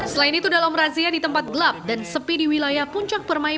selain itu dalam razia di tempat gelap dan sepi di wilayah puncak permainan